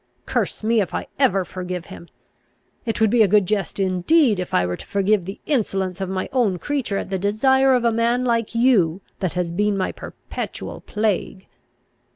Curse me, if I ever forgive him! It would be a good jest indeed, if I were to forgive the insolence of my own creature at the desire of a man like you that has been my perpetual plague."